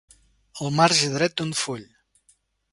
El marge dret d'un full.